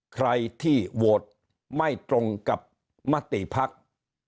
ใครที่โหวตไม่ตรงกับมติภักดิ์